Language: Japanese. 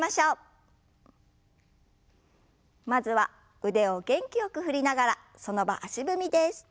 まずは腕を元気よく振りながらその場足踏みです。